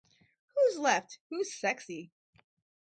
Who's left who's sexy?